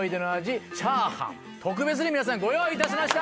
特別に皆さんご用意いたしました。